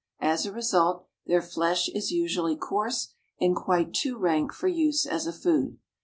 As a result, their flesh is usually coarse and quite too rank for use as a food.